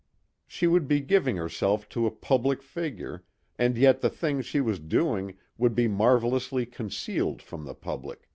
She would be giving herself to a public figure and yet the thing she was doing would be marvelously concealed from the public.